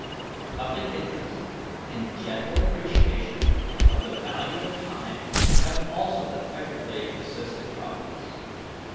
Public interest and general appreciation of the value of time have also effectively assisted progress.